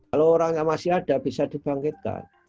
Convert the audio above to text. kalau orang yang masih ada bisa dibangkitkan